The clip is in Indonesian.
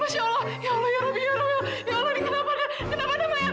kenapa gue ada di kamar mayat